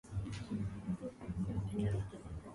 The dialogue is sharp, witty, and at times, profound.